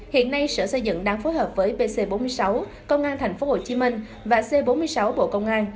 hiện nay sở xây dựng đang phối hợp với pc bốn mươi sáu công an tp hcm và c bốn mươi sáu bộ công an